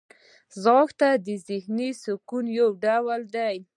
ځغاسته د ذهني سکون یو ډول دی